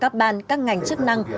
các bàn các ngành chức năng